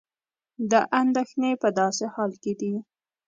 دا اندېښنې په داسې حال کې دي